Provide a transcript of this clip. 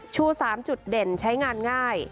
ชู๓จุดเด่นใช้งานง่าย